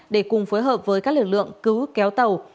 để cùng phối hợp với các lực lượng cứu kéo tàu